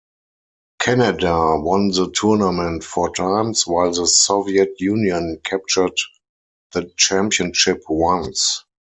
Canada won the tournament four times, while the Soviet Union captured the championship once.